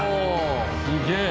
すげえ。